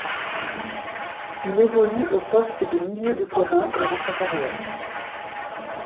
Il évolue au poste de milieu de terrain durant sa carrière.